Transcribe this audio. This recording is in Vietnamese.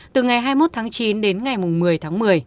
từ ngày hai mươi một tháng chín đến ngày một mươi tháng một mươi